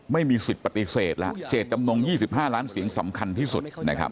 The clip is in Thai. ไม่มีสิทธิ์ปฏิเสธแล้วเจตจำนง๒๕ล้านเสียงสำคัญที่สุดนะครับ